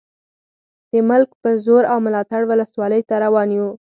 د ملک په زور او ملاتړ ولسوالۍ ته روان یو.